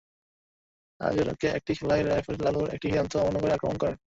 আগের একটি খেলায় রেফারি লালুর একটি সিদ্ধান্ত অমান্য করে তাঁকে আক্রমণ করেন।